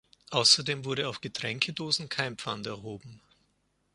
Außerdem wurde auf Getränkedosen kein Pfand erhoben.